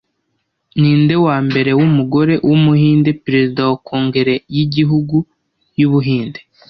Ninde wambere wumugore wumuhinde Perezida wa kongere yigihugu yu Buhinde